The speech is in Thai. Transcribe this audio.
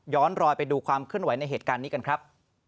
รอยไปดูความเคลื่อนไหวในเหตุการณ์นี้กันครับ